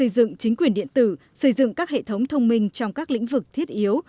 dựng chính quyền điện tử xây dựng các hệ thống thông minh trong các lĩnh vực thiết yếu